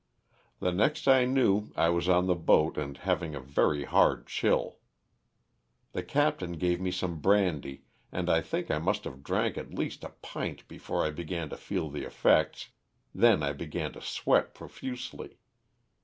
The next I knew I was on the boat and having a very hard chill. The captain gave me some brandy and I think I must have drank at least a pint before I began to feel the effects, then I began to sweat profusely.